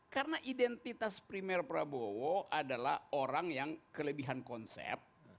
karena identitas primer prabowo adalah orang yang kelebihan konsep